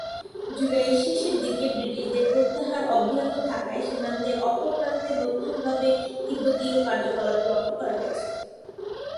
জুলাইয়ের শেষের দিকে, ব্রিটিশদের প্রত্যাহার অব্যাহত থাকায় সীমান্তের অপর প্রান্তে নতুনভাবে তিব্বতীয় কার্যকলাপ লক্ষ্য করা গেছে।